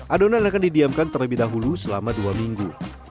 adonan akan didiamkan terlebih dahulu selama dua minggu